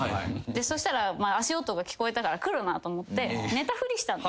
そしたら足音が聞こえたから来るなと思って。